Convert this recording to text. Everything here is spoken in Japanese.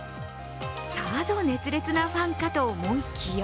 さぞ熱烈なファンかと思いきや